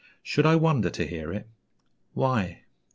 Should I wonder to hear it? Why?